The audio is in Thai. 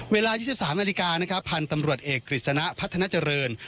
เวลา๒๓นาฬิกานะครับพันธุ์ตำรวจเอกกฤษณะพัฒนาเจริญ